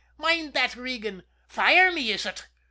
Mind that, Regan! Fire me, is ut?"